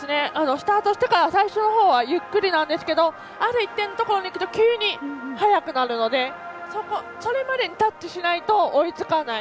スタートしてから最初のほうはゆっくりですけどある一点までいくと急に速くなるのでそれまでにタッチしないと追いつかない。